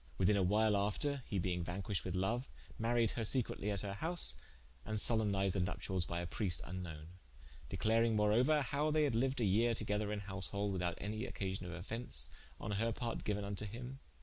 Within a whyle after (he being vanquished with loue) maried her secretly at her house, and solempnized the nuptialles by a Prieste vnknowen: declaring moreouer, how they had liued a yere together in householde, without any occasion of offence, on her part geuen vnto him.